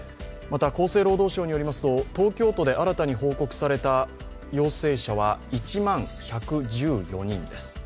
また厚生労働省によりますと東京都で新たに報告された陽性者は１万１１４人です。